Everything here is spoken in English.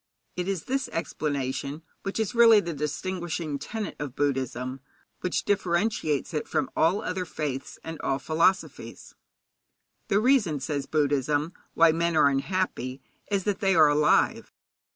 It is this explanation which is really the distinguishing tenet of Buddhism, which differentiates it from all other faiths and all philosophies. The reason, says Buddhism, why men are unhappy is that they are alive.